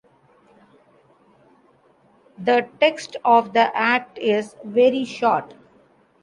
The text of the Act is very short.